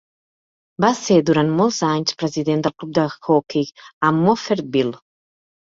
Va ser durant molts anys president del club de joquei a Morphettville.